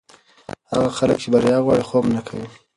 هغه خلک چې بریا غواړي، خوب نه کوي.